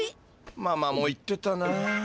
ママも言ってたな。